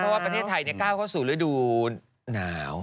เพราะว่าประเทศไทยก้าวเข้าสู่ฤดูหนาว